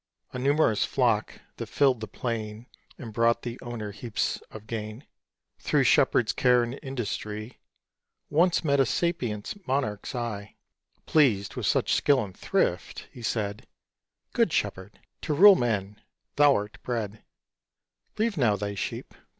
A numerous flock that filled the plain, And brought the owner heaps of gain, Through Shepherd's care and industry, Once met a sapient's Monarch's eye. Pleased with such skill and thrift, he said, "Good Shepherd, to rule men thou'rt bred; Leave now thy sheep.